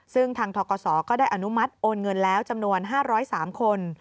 ซึ่งทางทกศก็ได้อนุมัติโอนเงินแล้วจำนวน๕๐๓คน